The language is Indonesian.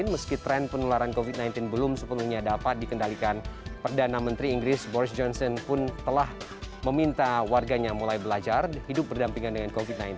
meski tren penularan covid sembilan belas belum sepenuhnya dapat dikendalikan perdana menteri inggris boris johnson pun telah meminta warganya mulai belajar hidup berdampingan dengan covid sembilan belas